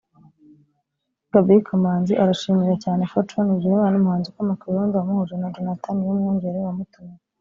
Gaby Kamanzi arashimira cyane Fortran Bigirimana umuhanzi ukomoka i Burundi wamuhuje na Jonathan Niyomwungere wamutumiye